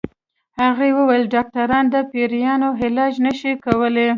هغې ويل ډاکټران د پيريانو علاج نشي کولی